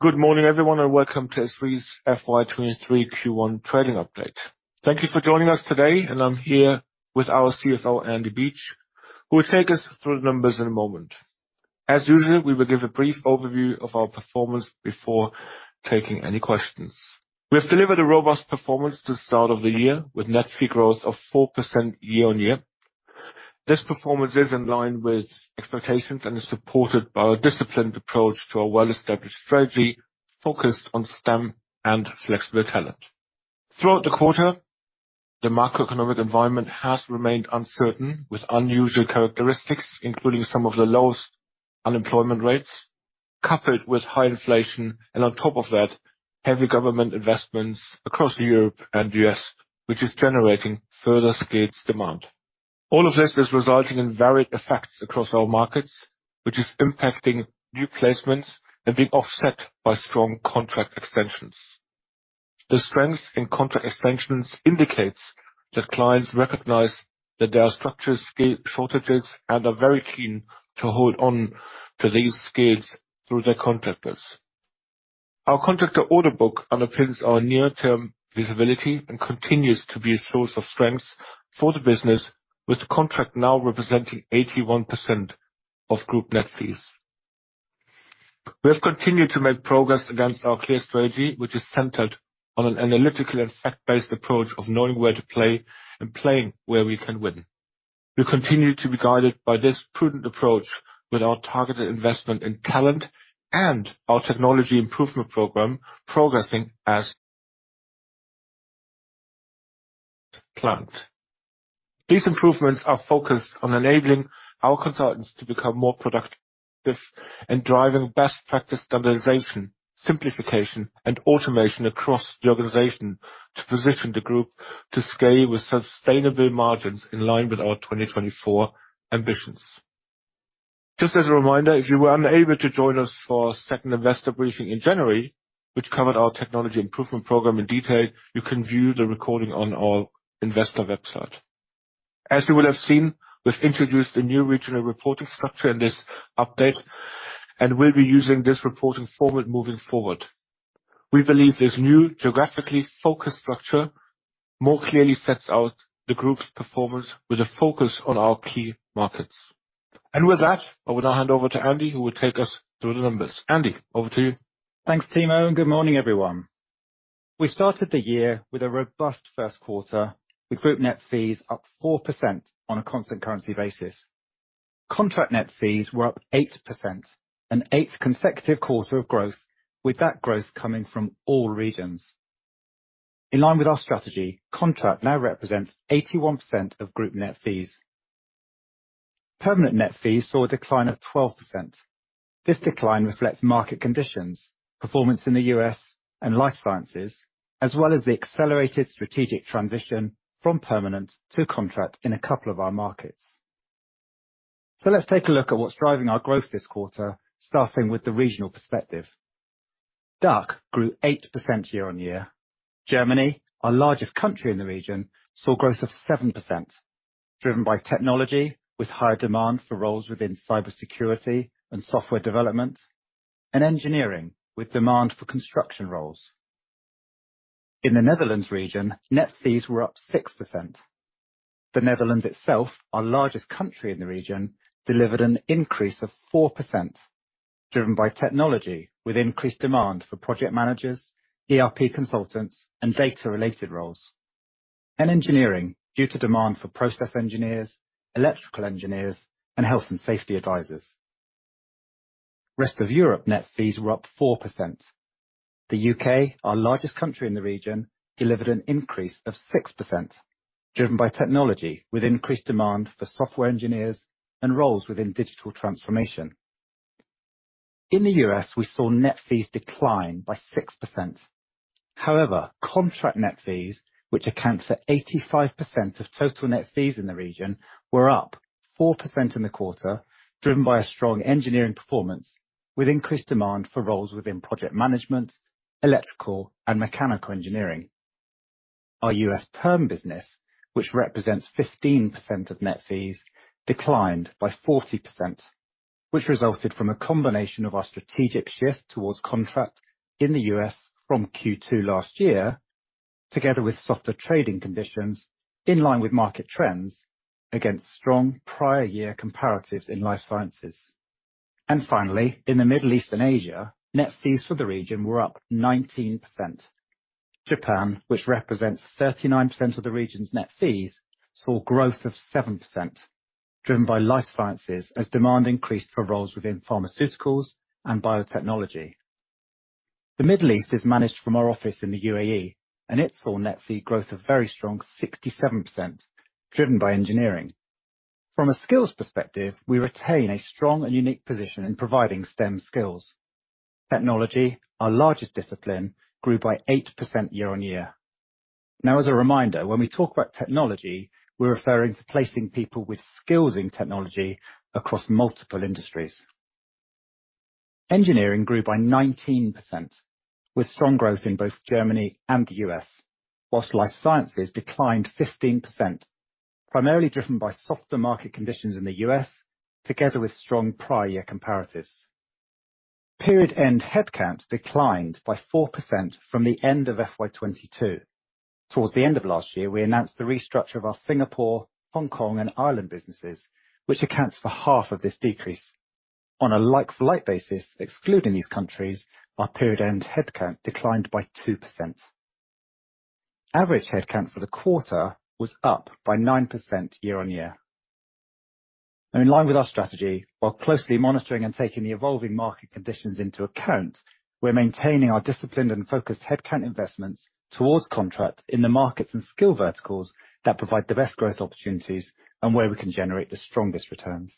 Good morning, everyone, and welcome to SThree's FY23 Q1 trading update. Thank you for joining us today, and I'm here with our CFO, Andy Beach, who will take us through the numbers in a moment. As usual, we will give a brief overview of our performance before taking any questions. We have delivered a robust performance to the start of the year, with net fee growth of 4% year-on-year. This performance is in line with expectations and is supported by our disciplined approach to our well-established strategy focused on STEM and flexible talent. Throughout the quarter, the macroeconomic environment has remained uncertain, with unusual characteristics, including some of the lowest unemployment rates, coupled with high inflation, and on top of that, heavy government investments across Europe and U.S., which is generating further skills demand. All of this is resulting in varied effects across our markets, which is impacting new placements and being offset by strong contract extensions. The strength in contract extensions indicates that clients recognize that there are structural skill shortages and are very keen to hold on to these skills through their contractors. Our contract order book underpins our near-term visibility and continues to be a source of strength for the business, with contract now representing 81% of group net fees. We have continued to make progress against our clear strategy, which is centered on an analytical and fact-based approach of knowing where to play and playing where we can win. We continue to be guided by this prudent approach with our targeted investment in talent and our technology improvement program progressing as planned. These improvements are focused on enabling our consultants to become more productive and driving best practice standardization, simplification, and automation across the organization to position the group to scale with sustainable margins in line with our 2024 ambitions. Just as a reminder, if you were unable to join us for our second investor briefing in January, which covered our technology improvement program in detail, you can view the recording on our investor website. As you will have seen, we've introduced a new regional reporting structure in this update, and we'll be using this reporting format moving forward. We believe this new geographically focused structure more clearly sets out the group's performance with a focus on our key markets. With that, I will now hand over to Andy, who will take us through the numbers. Andy, over to you. Thanks, Timo, and good morning, everyone. We started the year with a robust first quarter, with group net fees up 4% on a constant currency basis. Contract net fees were up 8%, an 8th consecutive quarter of growth, with that growth coming from all regions. In line with our strategy, contract now represents 81% of group net fees. Permanent net fees saw a decline of 12%. This decline reflects market conditions, performance in the U.S. and Life Sciences, as well as the accelerated strategic transition from permanent to contract in a couple of our markets. Let's take a look at what's driving our growth this quarter, starting with the regional perspective. DACH grew 8% year-on-year. Germany, our largest country in the region, saw growth of 7%, driven by technology, with higher demand for roles within cybersecurity and software development, and engineering, with demand for construction roles. In the Netherlands region, net fees were up 6%. The Netherlands itself, our largest country in the region, delivered an increase of 4%, driven by technology, with increased demand for project managers, ERP consultants, and data-related roles, and engineering due to demand for process engineers, electrical engineers, and health and safety advisors. Rest of Europe net fees were up 4%. The U.K., our largest country in the region, delivered an increase of 6%, driven by technology, with increased demand for software engineers and roles within digital transformation. In the U.S., we saw net fees decline by 6%. However, contract net fees, which account for 85% of total net fees in the region, were up 4% in the quarter, driven by a strong engineering performance, with increased demand for roles within project management, electrical and mechanical engineering. Our US perm business, which represents 15% of net fees, declined by 40%, which resulted from a combination of our strategic shift towards contract in the US from Q2 last year, together with softer trading conditions in line with market trends against strong prior year comparatives in Life Sciences. Finally, in the Middle East and Asia, net fees for the region were up 19%. Japan, which represents 39% of the region's net fees, saw growth of 7%, driven by Life Sciences as demand increased for roles within pharmaceuticals and biotechnology. The Middle East is managed from our office in the UAE. It saw net fee growth of a very strong 67%, driven by engineering. From a skills perspective, we retain a strong and unique position in providing STEM skills. Technology, our largest discipline, grew by 8% year-on-year. As a reminder, when we talk about technology, we're referring to placing people with skills in technology across multiple industries. Engineering grew by 19%, with strong growth in both Germany and the US, whilst Life Sciences declined 15%. Primarily driven by softer market conditions in the US, together with strong prior year comparatives. Period end headcount declined by 4% from the end of FY22. Towards the end of last year, we announced the restructure of our Singapore, Hong Kong, and Ireland businesses, which accounts for half of this decrease. On a like-for-like basis, excluding these countries, our period end headcount declined by 2%. Average headcount for the quarter was up by 9% year-on-year. In line with our strategy, while closely monitoring and taking the evolving market conditions into account, we're maintaining our disciplined and focused headcount investments towards contract in the markets and skill verticals that provide the best growth opportunities and where we can generate the strongest returns.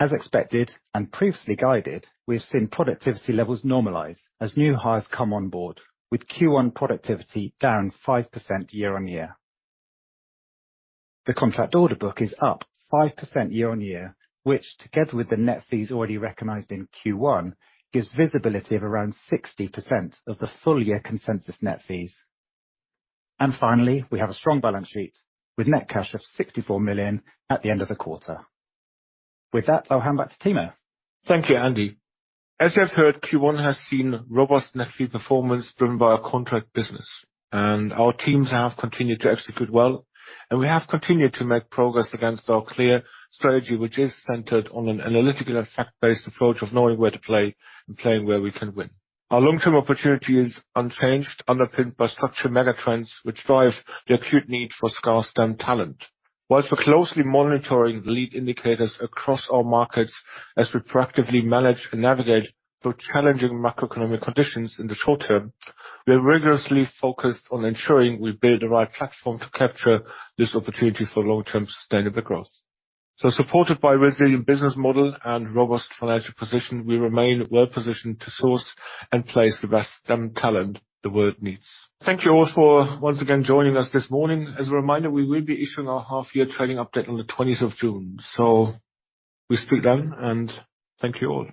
As expected and previously guided, we have seen productivity levels normalize as new hires come on board, with Q1 productivity down 5% year-on-year. The contract order book is up 5% year-on-year, which together with the net fees already recognized in Q1, gives visibility of around 60% of the full year consensus net fees. Finally, we have a strong balance sheet with net cash of 64 million at the end of the quarter. With that, I'll hand back to Timo. Thank you, Andy. As you have heard, Q1 has seen robust net fee performance driven by our contract business. Our teams have continued to execute well, and we have continued to make progress against our clear strategy, which is centered on an analytical and fact-based approach of knowing where to play and playing where we can win. Our long-term opportunity is unchanged, underpinned by structural mega-trends which drive the acute need for scarce STEM talent. While we're closely monitoring lead indicators across our markets as we proactively manage and navigate through challenging macroeconomic conditions in the short term, we are rigorously focused on ensuring we build the right platform to capture this opportunity for long-term sustainable growth. Supported by resilient business model and robust financial position, we remain well positioned to source and place the best STEM talent the world needs. Thank you all for once again joining us this morning. As a reminder, we will be issuing our half year trading update on the twentieth of June. Wish you well, and thank you all.